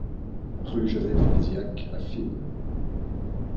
Rue Joseph Misiack à Fismes